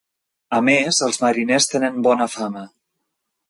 A més, els mariners tenen bona fama.